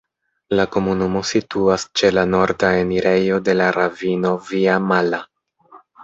La komunumo situas ĉe la norda enirejo de la ravino Via-Mala.